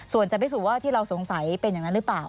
ส่วนจะพิสูจน์ว่าที่เราสงสัยเป็นอย่างนั้นหรือเปล่า